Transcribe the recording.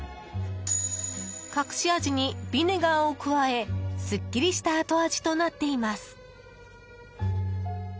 隠し味にビネガーを加えすっきりした後味となっています。